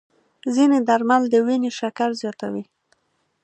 ځینې درمل د وینې شکر زیاتوي.